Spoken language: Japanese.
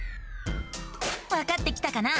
わかってきたかな？